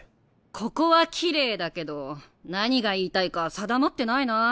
ここはきれいだけど何が言いたいか定まってないな。